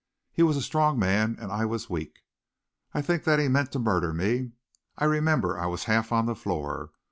He was a strong man and I was weak. I think that he meant to murder me. I remember I was half on the floor.